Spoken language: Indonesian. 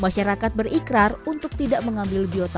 masyarakat berikrar untuk tidak mengambil biota laut berupa tersebut